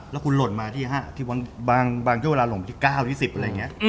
แล้วคุณหล่นมาที่๕บางช่วงเวลาหลงที่๙ที่๑๐อะไรอย่างเงี้ย